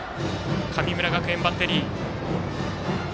神村学園バッテリー。